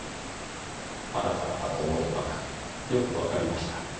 あなた方の思いはよくわかりました。